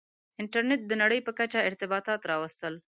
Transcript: • انټرنېټ د نړۍ په کچه ارتباطات راوستل.